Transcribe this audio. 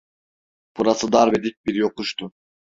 Burası dar ve dik bir yokuştu.